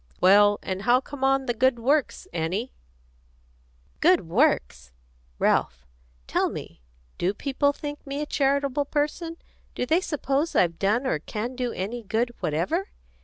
Well, and how come on the good works, Annie?" "The good works! Ralph, tell me: do people think me a charitable person? Do they suppose I've done or can do any good whatever?"